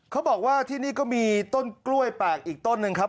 เขาบอกว่าที่นี่ก็มีต้นกล้วยแปลกอีกต้นหนึ่งครับ